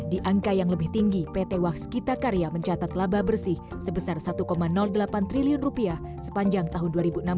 di angka yang lebih tinggi pt waskita karya mencatat laba bersih sebesar satu delapan triliun rupiah sepanjang tahun dua ribu enam belas